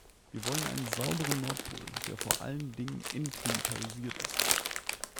Wir wollen einen sauberen Nordpol, der vor allen Dingen entmilitarisiert ist.